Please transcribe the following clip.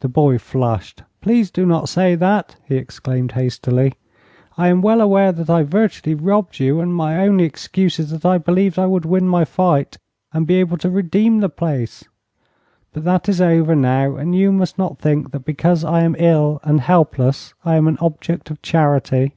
The boy flushed. "Please do not say that!" he exclaimed, hastily. "I am well aware that I virtually robbed you, and my only excuse is that I believed I would win my fight and be able to redeem the place. But that is over now, and you must not think that because I am ill and helpless I am an object of charity."